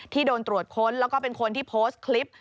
โดนตรวจค้นแล้วก็เป็นคนที่โพสต์คลิป